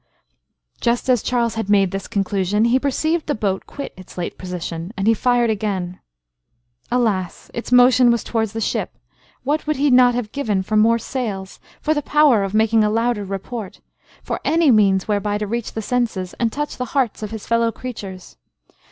Just as Charles had made this conclusion, he perceived the boat quit its late position, and he again fired. Alas! its motion was towards the ship; what would he not have given for more sails—for the power of making a louder report—for any means whereby to reach the senses, and touch the hearts of his fellow creatures!